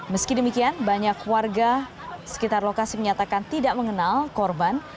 meski demikian banyak warga sekitar lokasi menyatakan tidak mengenal korban